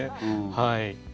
はい。